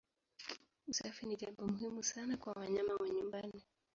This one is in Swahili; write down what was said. Usafi ni jambo muhimu sana kwa wanyama wa nyumbani.